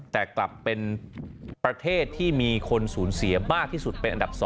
แต่กลับเป็นประเทศที่มีคนสูญเสียมากที่สุดเป็นอันดับ๒